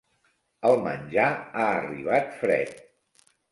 El menjar ha arribat fred.